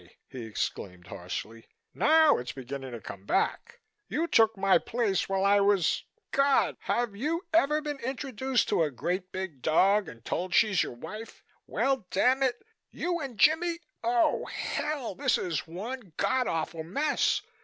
he exclaimed harshly. "Now it's beginning to come back. You took my place while I was God! have you ever been introduced to a great big dog and told she's your wife? Well, damn it! you and Jimmie Oh, hell, this is one godawful mess!